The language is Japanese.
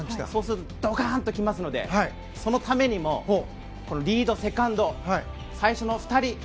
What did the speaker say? そうするとドカーンと来ますのでそのためにもリード、セカンド最初の２人。